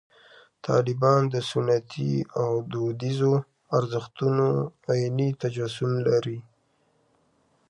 طالبان د سنتي او دودیزو ارزښتونو عیني تجسم لري.